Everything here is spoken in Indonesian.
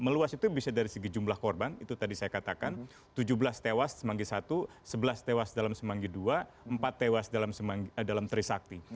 meluas itu bisa dari segi jumlah korban itu tadi saya katakan tujuh belas tewas semanggi i sebelas tewas dalam semanggi ii empat tewas dalam trisakti